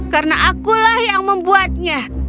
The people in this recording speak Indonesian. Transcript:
karena akulah yang membuatnya